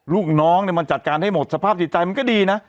ลูกน้องมันจัดการให้หมดสภาพจิตใจมันก็ดีนะ